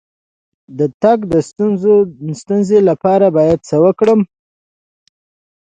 د تګ د ستونزې لپاره باید څه وکړم؟